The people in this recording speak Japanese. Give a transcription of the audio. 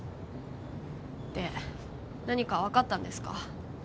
で何か分かったんですか？